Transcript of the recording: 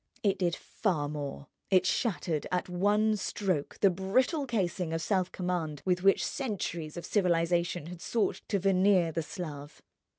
It did far more, it shattered at one stroke the brittle casing of self command with which centuries of civilization had sought to veneer the Slav.